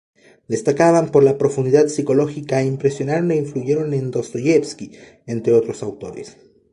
Destacaban por la profundidad psicológica e impresionaron e influyeron en Dostoievski, entre otros autores.